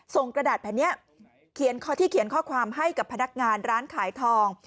กระดาษแผ่นนี้เขียนที่เขียนข้อความให้กับพนักงานร้านขายทอง